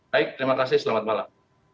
baik terima kasih selamat malam